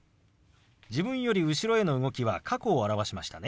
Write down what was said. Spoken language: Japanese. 自分より後ろへの動きは過去を表しましたね。